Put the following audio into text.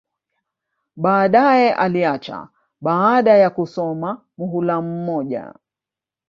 Baadae aliacha baada ya kusoma muhula mmoja